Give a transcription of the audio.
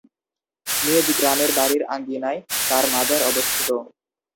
নিজ গ্রামের বাড়ীর আঙ্গিনায় তার মাজার অবস্থিত।